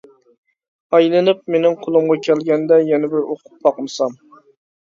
ئايلىنىپ مېنىڭ قولۇمغا كەلگەندە يەنە بىر ئوقۇپ باقمىسام.